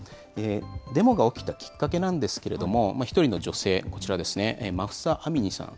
デモが起きたきっかけなんですけれども、１人の女性、こちらですね、マフサ・アミニさん。